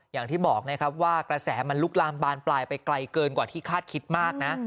อย่างที่บอกนะครับว่ากระแสมันลุกลามบานปลายไปไกลเกินกว่าที่คาดคิดมากนะ